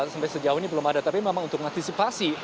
sampai sejauh ini belum ada tapi memang untuk mengantisipasi